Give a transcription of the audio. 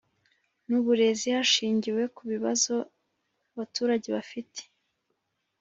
n Uburezi hashingiwe ku bibazo abaturage bafite